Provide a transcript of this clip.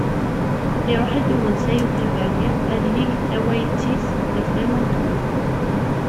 Iruḥ-d ugensas ukabar-nni ad yeg tawayt-is deg tɣiwant-nneɣ.